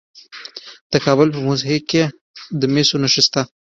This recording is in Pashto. د کابل په موسهي کې د مسو نښې شته.